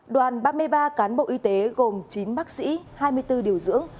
đoàn ba mươi ba cán bộ y tế gồm chín bác sĩ hai mươi bốn điều dưỡng